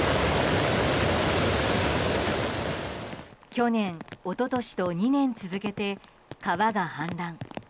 去年、一昨年と２年続けて川が氾濫。